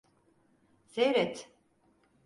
Seyret.